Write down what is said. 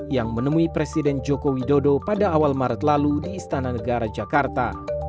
yang menemui presiden joko widodo pada awal maret lalu di istana negara jakarta